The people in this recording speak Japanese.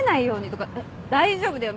大丈夫だよ